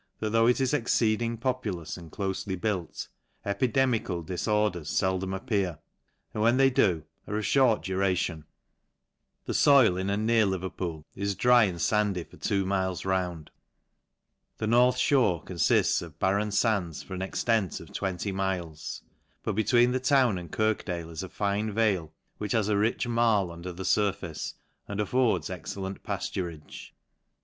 that though it is ex ceeding populous and clofely built, epidemical dis orders feldom appear, and when they do, are of fhort duration. The foil in and near Leverpool is dry and fandy for two miles round. The north fhore confifts of bar fen fands for an extent of 20 miles j but between the town and Kirkdale is a fine vale, which has a rich marie under the furface, and affords excellent paf turage.